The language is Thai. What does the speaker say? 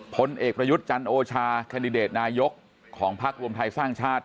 ผลเอกประยุทธ์จันโอชาแคนดิเดตนายกของพักรวมไทยสร้างชาติ